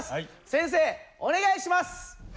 先生お願いします。